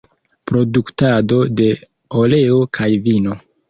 Produktado de oleo kaj vino.